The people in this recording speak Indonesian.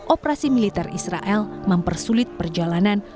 operasi militer israel mempersulit perjalanan